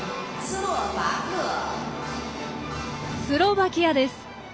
スロバキアです。